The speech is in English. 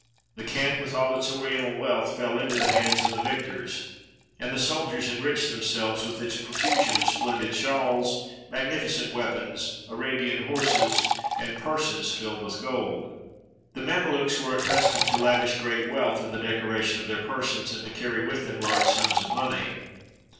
The camp, with all its Oriental wealth, fell into the hands of the victors, and the sol diers enriched themselves with its profusion of splendid shawls, magnificent weapons, Arabian horses, and purses filled with gold. The Mamelukes were accustomed to lavish great wealth in the decoration of their persons, and to carry with them large sums of money.